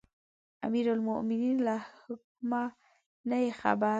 امیرالمؤمنین له حکمه نه یې خبره.